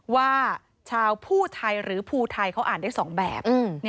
ว่าชาวผู้ไทยหรือภูไทยเขาอ่านได้๒แบบ